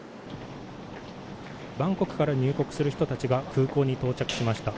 バンコクから入国する人たちが空港に到着しました。